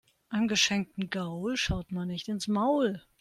Einem geschenkten Gaul schaut man nicht ins Maul.